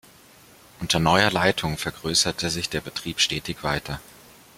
Unter neuer Leitung vergrößerte sich der Betrieb stetig weiter.